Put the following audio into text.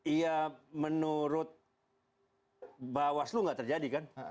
iya menurut bawah aslu tidak terjadi kan